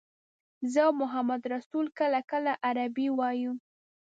زه او محمدرسول کله کله عربي وایو.